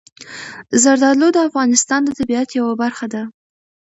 زردالو د افغانستان د طبیعت یوه برخه ده.